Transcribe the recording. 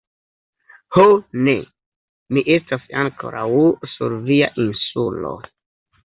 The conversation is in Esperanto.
Ho ne, mi estas ankoraŭ sur via Insulo...